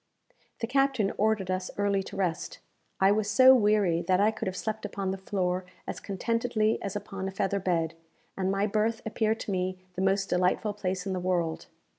The captain ordered us early to rest. I was so weary that I could have slept upon the floor as contentedly as upon a feather bed, and my berth appeared to me the most delightful place in the world.